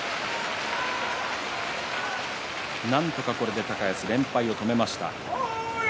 なんとかこれで高安連敗を止めました。